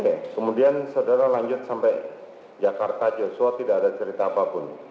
oke kemudian saudara lanjut sampai jakarta joshua tidak ada cerita apapun